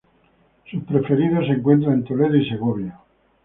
Sus preferidos se encuentran en Toledo y Segovia.